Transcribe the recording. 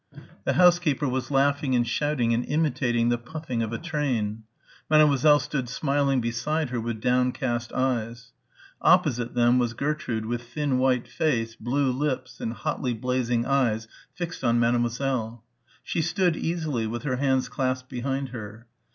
The housekeeper was laughing and shouting and imitating the puffing of a train. Mademoiselle stood smiling beside her with downcast eyes. Opposite them was Gertrude with thin white face, blue lips and hotly blazing eyes fixed on Mademoiselle. She stood easily with her hands clasped behind her.